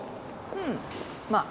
うんまあ。